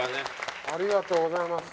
ありがとうございます。